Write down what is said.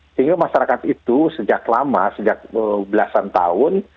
sehingga masyarakat itu sejak lama sejak belasan tahun